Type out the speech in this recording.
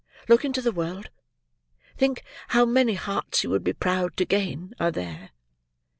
Look into the world; think how many hearts you would be proud to gain, are there.